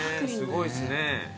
すごいっすね。